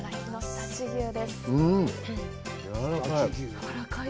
うん、やわらかい！